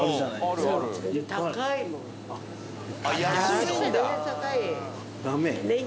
安いんだ。